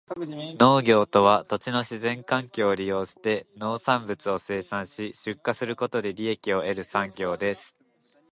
農業とは、土地の自然環境を利用して農産物を生産し、出荷することで利益を得る産業です。